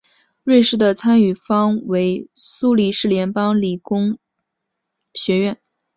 瑞士的参与方为苏黎世联邦理工学院。